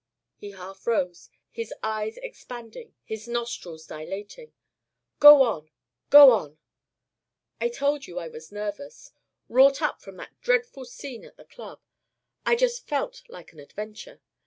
He half rose, his eyes expanding, his nostrils dilating. "Go on. Go on." "I told you I was nervous wrought up from that dreadful scene at the club. I just felt like an adventure!